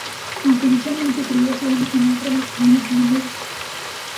Aunque inicialmente frías la una con la otra, ambas terminan siendo amigas.